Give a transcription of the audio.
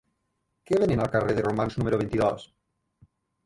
Què venen al carrer de Romans número vint-i-dos?